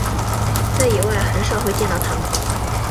在野外很少会见到它们。